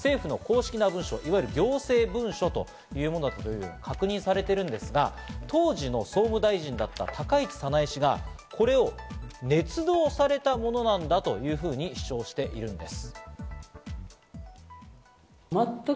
これが行政文書というもので確認されてるんですが、当時の総務大臣だった高市早苗氏がこれをねつ造されたものなんだと主張しているんです。